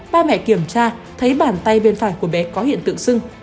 ba mẹ kiểm tra thấy bàn tay bên phải của bé có hiện tượng sưng